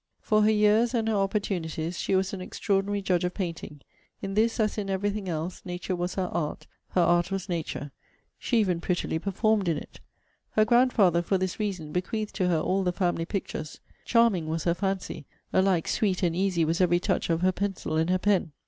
For her years, and her opportunities, she was an extraordinary judge of painting. In this, as in every thing else, nature was her art, her art was nature. She even prettily performed in it. Her grandfather, for this reason, bequeathed to her all the family pictures. Charming was her fancy: alike sweet and easy was every touch of her pencil and her pen.